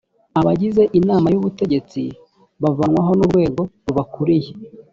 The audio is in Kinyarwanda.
abagize inama y’ubutegetsi bavanwaho n’urwego rubakuriye